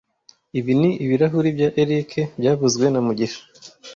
Ibi ni ibirahuri bya Eric byavuzwe na mugisha